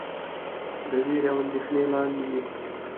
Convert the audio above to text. چې د وېرې او اندېښنې لاندې وئ.